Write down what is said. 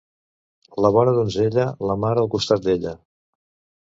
La bona donzella, la mare al costat d'ella.